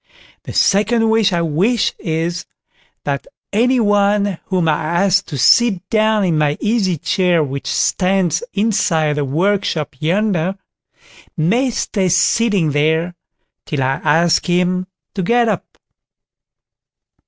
The second wish I wish is, that any one whom I ask to sit down in my easy chair which stands inside the workshop yonder, may stay sitting there till I ask him to get up.